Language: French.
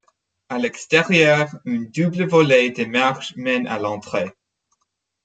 À l'extérieur, une double volée de marches mène à l'entrée.